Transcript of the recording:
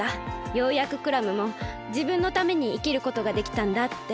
ようやくクラムもじぶんのためにいきることができたんだって。